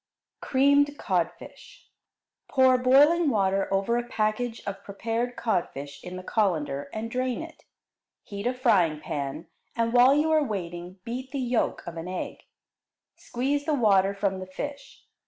Creamed Codfish Pour boiling water over a package of prepared codfish in the colander and drain it. Heat a frying pan, and, while you are waiting, beat the yolk of an egg. Squeeze the water from the fish.